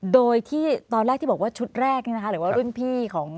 โดยที่ตอนแรกที่บอกว่าชุดแรกหรือว่ารุ่นพี่ของ